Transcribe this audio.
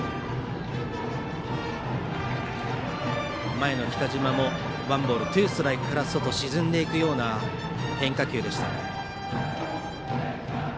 前の北島もワンボールツーストライクから外、沈んでいくような変化球でした。